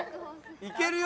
いけるよ。